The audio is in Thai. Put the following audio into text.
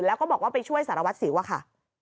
แล้วก็บอกว่าไปช่วยสารวัตรสิวอะค่ะ